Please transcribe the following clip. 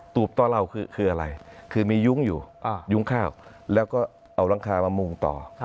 ตูบต่อเหล่าคืออะไรคือมียุ้งอยู่ยุ้งข้าวแล้วก็เอาหลังคามามุงต่อ